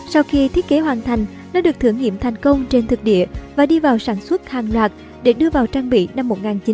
sau khi thiết kế hoàn thành nó được thử nghiệm thành công trên thực địa và đi vào sản xuất hàng loạt để đưa vào trang bị năm một nghìn chín trăm bảy mươi